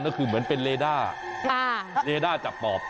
ก็คือเหมือนเป็นเลด้าเลด้าจับปอบ